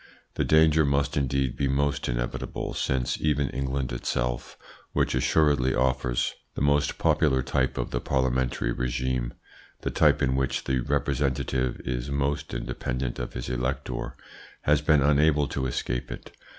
The danger must indeed be most inevitable, since even England itself, which assuredly offers the most popular type of the parliamentary regime, the type in which the representative is most independent of his elector, has been unable to escape it.